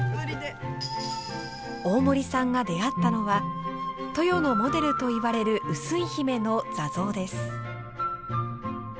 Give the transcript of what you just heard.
大森さんが出会ったのは登与のモデルといわれる碓井姫の坐像です。